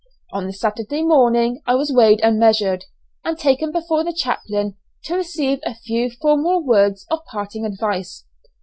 On the Saturday morning I was weighed and measured, and taken before the chaplain to receive a few formal words of parting advice.